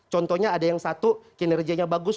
contohnya ada yang satu kinerjanya bagus